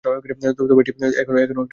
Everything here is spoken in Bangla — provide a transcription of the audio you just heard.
তবে এটি এখনও একটি বাণিজ্যিক ভবন।